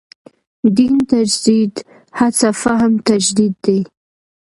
دین تجدید هڅه فهم تجدید دی.